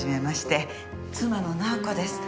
妻の直子です。